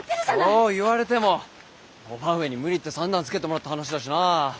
そう言われても伯母上に無理言って算段つけてもらった話だしなぁ。